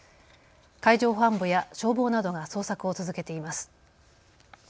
海上保安部や消防などが捜索を続けています。